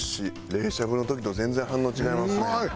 冷しゃぶの時と全然反応違いますね。